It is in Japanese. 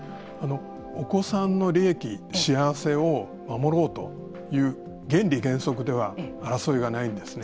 お子さんの利益、幸せを守ろうという原理原則では争いはないんですね。